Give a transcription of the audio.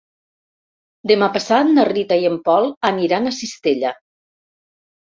Demà passat na Rita i en Pol aniran a Cistella.